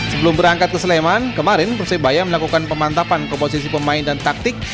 sebelum berangkat ke sleman kemarin persebaya melakukan pemantapan komposisi pemain dan taktik